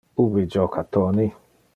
Ubi joca Tony?